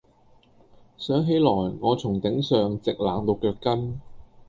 想起來，我從頂上直冷到腳跟。